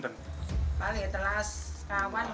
sekarang ya telas kawan